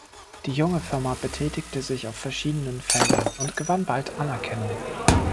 Die junge Firma betätigte sich auf verschiedenen Feldern und gewann bald Anerkennung.